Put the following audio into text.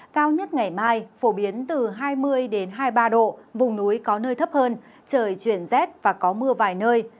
cao nhất ngày mai phổ biến từ hai mươi hai mươi ba độ vùng núi có nơi thấp hơn trời chuyển rét và có mưa vài nơi